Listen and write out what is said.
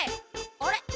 あれ？